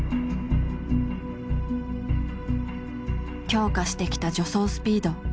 強化してきた助走スピード。